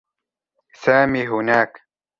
سامي هناك.